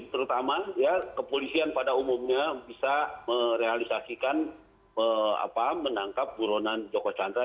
terutama ya kepolisian pada umumnya bisa merealisasikan menangkap buronan joko chandra